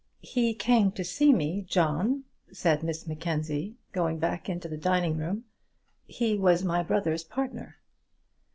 "He came to see me, John," said Miss Mackenzie, going back into the dining room. "He was my brother's partner."